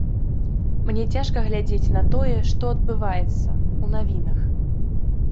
Мне цяжка глядзець на тое, што адбываецца, у навінах.